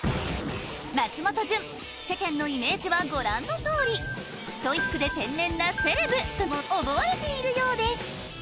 松本潤世間のイメージはご覧のとおりストイックで天然なセレブと思われているようです